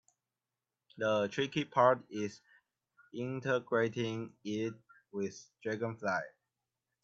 The tricky part is integrating it with Dragonfly.